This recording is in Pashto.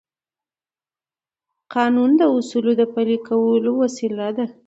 قانون د اصولو د پلي کولو وسیله ده.